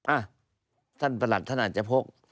อ่ะท่านประหลัดท่านอาจจะพก